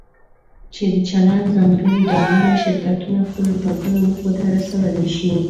چې د چلند ځانګړي ډولونه شرکتونه خپلو ټاکلو موخو ته رسولی شي.